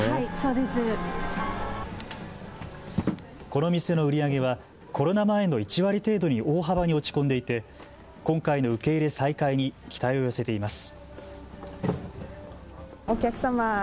この店の売り上げはコロナ前の１割程度に大幅に落ち込んでいて今回の受け入れ再開に期待を寄せています。